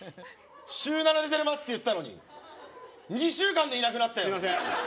週７で出れますって言ったのに２週間でいなくなったよねすいません